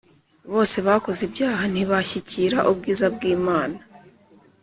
bose bakoze ibyaha, ntibashyikira ubwiza bw'Imana: